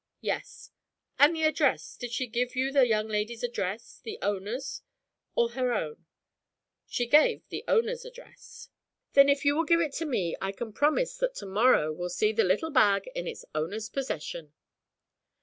'Yes.' 'And the address? Did she give you the young lady's address, the owner's, or her own?' 'She gave the owner's address.' 'Then if you will give it to me I can promise that to morrow will see the little bag in its owner's possession.'